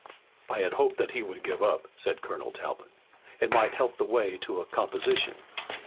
"I had hoped that he would give up," said Colonel Talbot. "It might help the way to a composition."